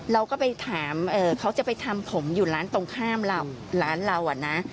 เราก็ไปถามเขาจะไปทำผมอยู่ร้านตรงข้ามเราร้านเราอะนะ